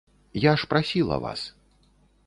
Я ж прасіла вас.